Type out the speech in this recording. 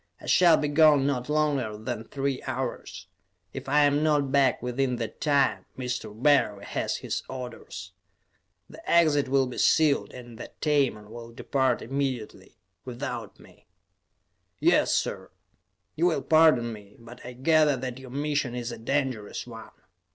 I shall be gone not longer than three hours; if I am not back within that time, Mr. Barry has his orders. The exit will be sealed, and the Tamon will depart immediately, without me." "Yes, sir. You will pardon me, but I gather that your mission is a dangerous one.